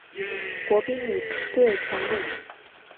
国乒女队同理。